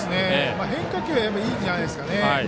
変化球はいいんじゃないですかね。